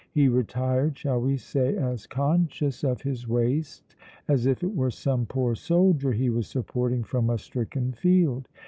He retired, shall we say, as conscious of his waist as if it were some poor soldier he was supporting from a stricken field.